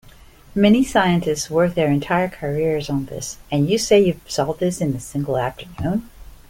Many scientists work their entire careers on this, and you say you have solved this in a single afternoon?